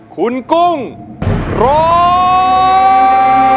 คุณกุ้งร้อง